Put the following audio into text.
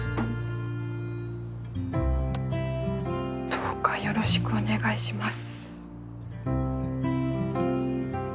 どうかよろしくお願いします